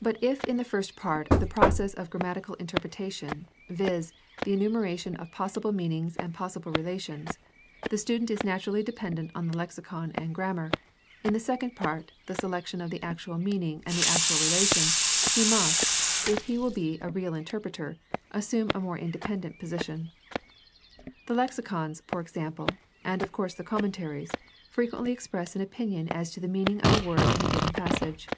But if in the first part of the process of grammatical inter pretation, viz., the enumeration of possible meanings and possible relations, the student is naturally dependent on the lexicon and the grammar, in the second part, the selection of the actual meaning and the actual relation, he must, if he will be a real interpreter, assume a more independent position. The lexicons, for example, and of course the commentaries, frequently express an opinion as to the meaning of a word in a given passage.